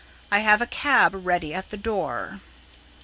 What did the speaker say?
I have a cab ready at the door."